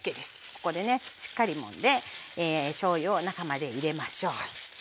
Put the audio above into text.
ここでねしっかりもんでしょうゆを中まで入れましょう。